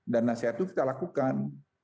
dan nasehat itu kita lakukan